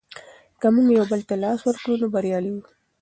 که موږ یو بل ته لاس ورکړو نو بریالي یو.